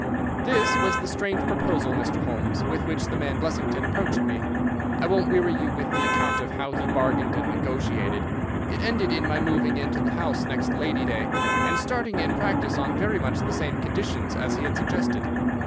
"This was the strange proposal, Mr. Holmes, with which the man Blessington approached me. I won't weary you with the account of how we bargained and negotiated. It ended in my moving into the house next Lady Day, and starting in practice on very much the same conditions as he had suggested.